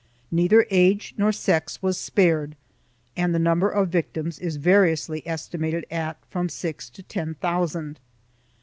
Neither age nor sex was spared and the num ber of victims is variously estimated at from six to ten thousand.